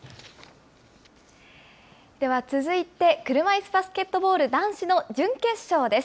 では、続いて車いすバスケットボール男子の準決勝です。